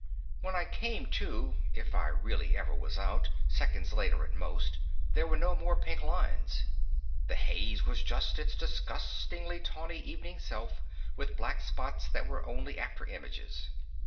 When I came to (if I really ever was out seconds later, at most) there were no more pink lines. The haze was just its disgustingly tawny evening self with black spots that were only after images.